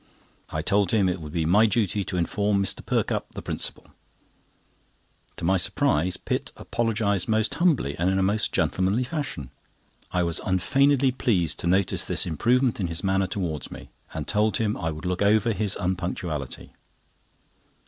I told him it would be my duty to inform Mr. Perkupp, the principal. To my surprise, Pitt apologised most humbly and in a most gentlemanly fashion. I was unfeignedly pleased to notice this improvement in his manner towards me, and told him I would look over his unpunctuality.